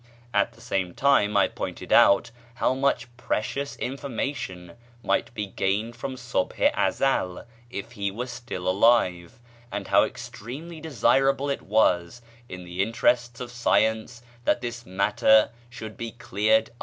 At the same time I pointed out how much precious information might be gained from Subh i Ezel if he were still alive, and how extremely desirable it was in the interests of science that this matter should be cleared up.